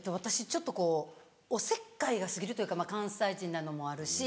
ちょっとこうおせっかいが過ぎるというか関西人なのもあるし。